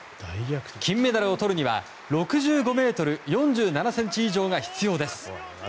金メダルをとるには６５ｍ４７ｃｍ以上が必要です。